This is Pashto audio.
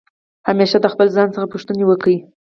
همېشه د خپل ځان څخه پوښتني وکئ!